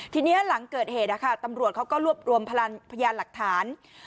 ทีนี้หลังเกิดเหตุตำรวจเขาก็รวบรวมพยานหลักฐาน